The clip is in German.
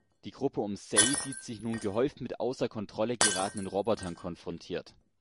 Die Gruppe um Sei sieht sich nun gehäuft mit außer Kontrolle geratenen Robotern konfrontiert.